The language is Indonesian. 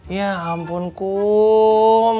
ya ampun kum